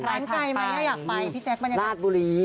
ร้านไกลไหมอยากไปพี่แจ๊คมันอยากไป